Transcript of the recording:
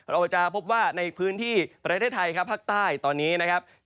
เราจะพบว่าในพื้นที่ประเทศไทยครับภาคใต้ตอนนี้นะครับ